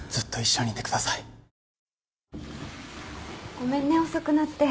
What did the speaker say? ごめんね遅くなって。